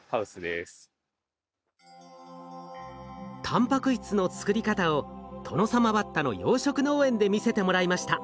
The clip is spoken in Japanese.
たんぱく質の作り方をトノサマバッタの養殖農園で見せてもらいました。